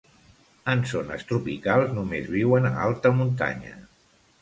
En zones tropicals només viuen a alta muntanya.